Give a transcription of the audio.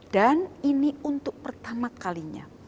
dan ini untuk pertama kalinya